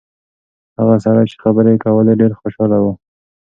هغه سړی چې خبرې یې کولې ډېر خوشاله و.